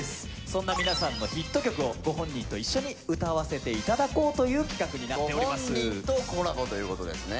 そんな皆さんのヒット曲をご本人と一緒に歌わせていただこうという企画になっておりますご本人とコラボということですね